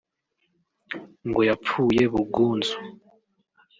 ngo yapfuye bugunzu